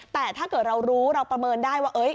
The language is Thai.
แต่ถ้าเกิดเรารู้เราประเมินได้ว่า